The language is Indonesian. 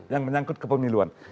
yang menyangkut kepemiluan